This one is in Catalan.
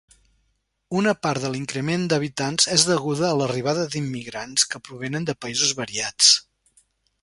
Una part de l'increment d'habitants és deguda a l'arribada d'immigrants, que provenen de països variats.